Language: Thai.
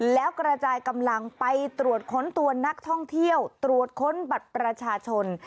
แล้วกระจายกำลังไปตรวจค้นตัวนักท่องเที่ยวตรวจค้นบัตรประชาชน